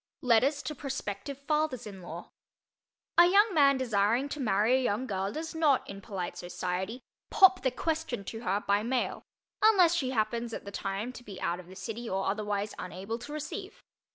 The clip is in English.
LETTERS TO PROSPECTIVE FATHERS IN LAW A young man desiring to marry a young girl does not, in polite society, "pop the question" to her by mail, unless she happens, at the time, to be out of the city or otherwise unable to "receive."